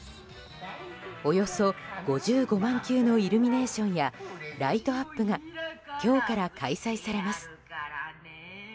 およそ５５万球のイルミネーションやライトアップが今日から開催されます。